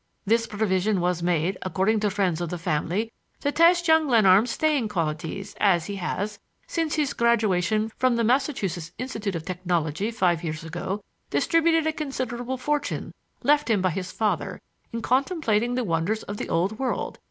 This provision was made, according to friends of the family, to test young Glenarm's staying qualities, as he has, since his graduation from the Massachusetts Institute of Technology five years ago, distributed a considerable fortune left him by his father in contemplating the wonders of the old world.